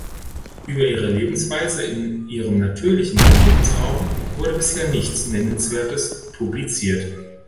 Über ihre Lebensweise in ihrem natürlichen Lebensraum wurde bisher nichts nennenswertes publiziert.